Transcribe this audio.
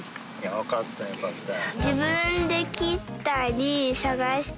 よかったよかったよ